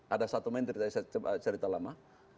ada satu menteri tadi saya cerita lama